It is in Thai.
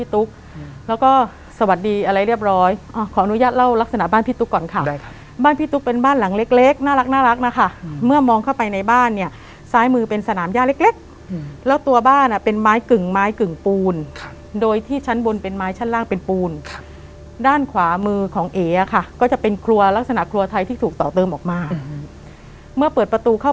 ตอนนั้นรู้เรื่องรึยังว่านั่นคือโหงพลายที่ปู่